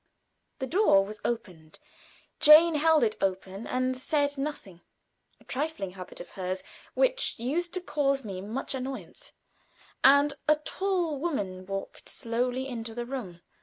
The door was opened. Jane held it open and said nothing (a trifling habit of hers, which used to cause me much annoyance), and a tall woman walked slowly into the room.